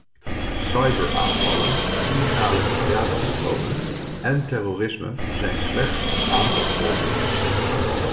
Cyberaanvallen, illegale migratiestromen en terrorisme zijn slechts een aantal voorbeelden.